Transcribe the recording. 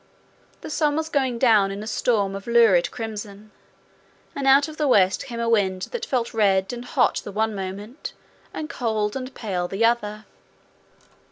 The sun was going down in a storm of lurid crimson, and out of the west came a wind that felt red and hot the one moment, and cold and pale the other.